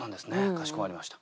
かしこまりました。